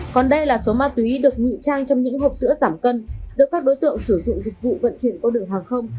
còn đây là số ma túy được ngụy trang trong những hộp sữa giảm cân được các đối tượng sử dụng dịch vụ vận chuyển qua đường hàng không